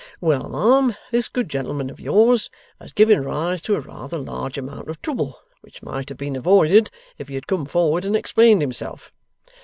Well, ma'am, this good gentleman of yours has given rise to a rather large amount of trouble which might have been avoided if he had come forward and explained himself.